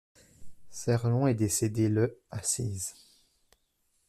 Serlon est décédé le à Sées.